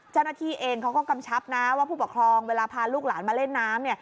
เจ้าหน้าที่เองเขาก็กำชับนะว่าผู้ปกครองเวลาพาลูกหลานมาเล่นน้ำเนี่ย